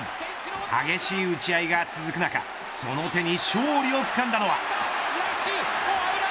激しい打ち合いが続く中その手に勝利をつかんだのは。